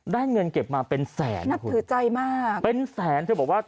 ได้เงินเก็บมาเป็นแสนนะคุณเป็นแสนเธอบอกว่า